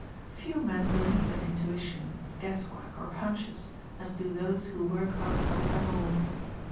Few men believe in intuition, guess work or "hunches" as do those who work outside the law.